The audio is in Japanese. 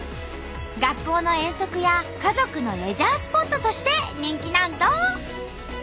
学校の遠足や家族のレジャースポットとして人気なんと！